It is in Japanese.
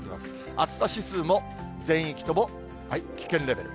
暑さ指数も全域とも危険レベル。